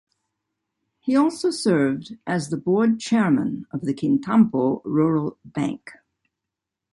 He also served as the board chairman of Kintampo Rural Bank.